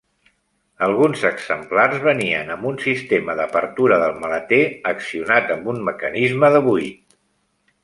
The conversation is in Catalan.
Alguns exemplars venien amb un sistema d'apertura del maleter accionat amb un mecanisme de buit.